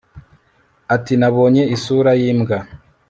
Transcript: ati nabonye isura y'imbwa